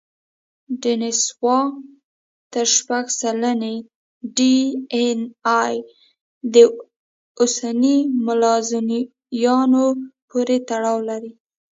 دینسووا کې تر شپږ سلنې ډياېناې د اوسني ملانزیایانو پورې تړاو لري.